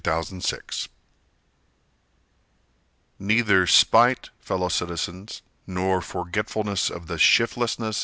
John Cabanis Neither spite, fellow citizens, Nor forgetfulness of the shiftlessness.